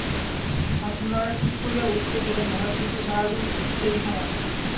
আপনার ঠিক করিয়া উঠিতে বিলম্ব হয়, কিন্তু জাহাজে উঠিতে তো দেরি সহে নাই।